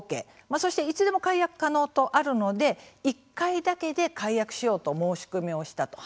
そして、いつでも解約可能とあるので１回だけで解約しようと申し込みをしたと。